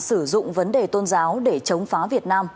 sử dụng vấn đề tôn giáo để chống phá việt nam